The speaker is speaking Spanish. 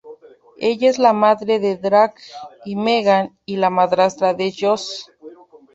Ella es la madre de Drake y Megan y la madrastra de Josh.